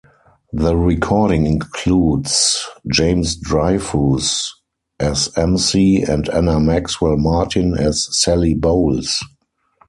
The recording includes James Dreyfus as emcee and Anna Maxwell Martin as Sally Bowles.